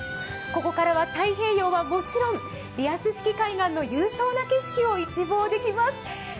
ここからは太平洋はもちろん、リアス式海岸の勇壮な景色を一望できます。